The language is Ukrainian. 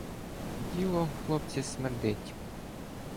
Діло, хлопці, смердить.